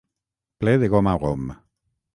Ple de gom a gom.